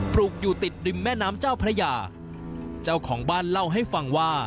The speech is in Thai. ปรูกอยู่ติดริมแม่น้ำเจ้าพระยา